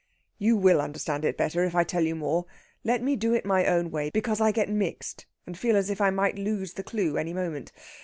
"You will understand it better if I tell you more. Let me do it my own way, because I get mixed, and feel as if I might lose the clue any moment.